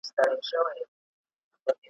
د نسیم قاصد لیدلي مرغکۍ دي په سېلونو ,